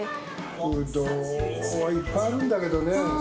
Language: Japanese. ブドウはいっぱいあるんだけどね。